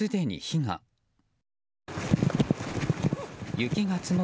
雪が積もる